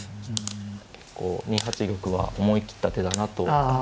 結構２八玉は思い切った手だなと。